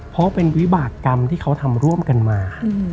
เพราะเป็นวิบากรรมที่เขาทำร่วมกันมา